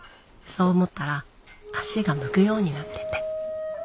そう思ったら足が向くようになってて。